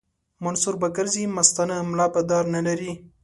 منصور به ګرځي مستانه ملا به دار نه لري